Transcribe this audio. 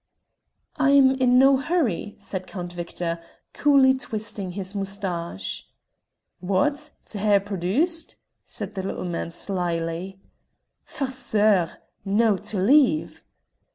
"I'm in no hurry," said Count Victor, coolly twisting his moustache. "What! To hae her produced?" said the little man, slyly. "Farceur! No, to leave."